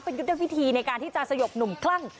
เป็นยุทธวิธีในการที่จะสยบหนุ่มคลั่ง